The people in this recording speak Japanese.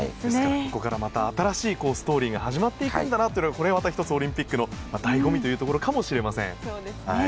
ここからまた新しいストーリーが始まっていくんだなというこれがまた１つオリンピックの醍醐味かもしれません。